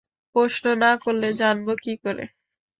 প্রশ্ন না করলে জানব কী করে?